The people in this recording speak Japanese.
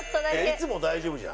いつも大丈夫じゃん。